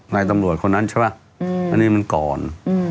ในตำรวจคนนั้นใช่ป่ะอืมอันนี้มันก่อนอืม